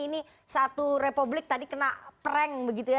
ini satu republik tadi kena prank begitu ya